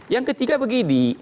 yang ketiga begini